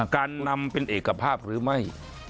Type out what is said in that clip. การนำเป็นเอกภาพหรือไม่